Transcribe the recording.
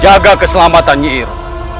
jaga keselamatan nyiru